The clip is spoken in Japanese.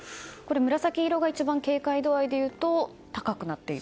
紫色が一番警戒度合いが高くなっている。